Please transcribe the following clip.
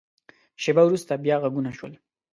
شیبه وروسته، بیا غږونه شول.